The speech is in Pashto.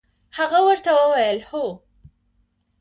هغه ورته وویل: هو.